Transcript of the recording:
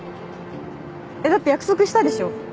えっだって約束したでしょ？